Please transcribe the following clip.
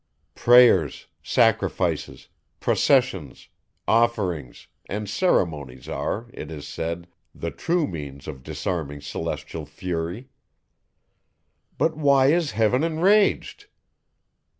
Prayers, sacrifices, processions, offerings, and ceremonies are, it is said, the true means of disarming celestial fury. But why is heaven enraged?